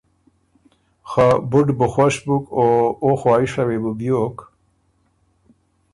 خه بُډ بُو خوش بُک او او خواهشه وې بُو بيوک